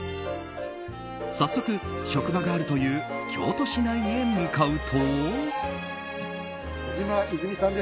早速、職場があるという京都市内へ向かうと。